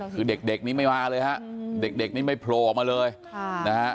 คือเด็กนี้ไม่มาเลยฮะเด็กนี่ไม่โผล่ออกมาเลยค่ะนะฮะ